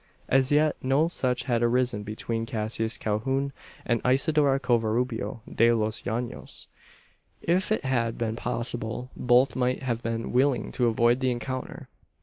As yet no such had arisen between Cassius Calhoun and Isidora Covarubio de los Llanos. If it had been possible, both might have been willing to avoid the encounter.